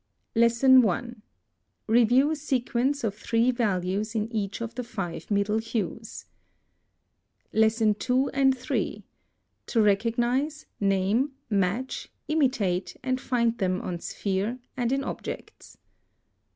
_ 1. Review sequence of three values in each of the five middle hues. 2. To recognize, name, match, imitate, and 3. find them on sphere and in objects.